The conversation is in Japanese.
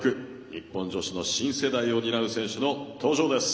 日本女子の新世代を担う選手の登場です。